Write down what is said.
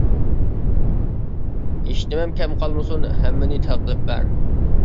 ھېچنېمەم كەم قالمىسۇن، ھەممىنى تەل قىلىپ بەر.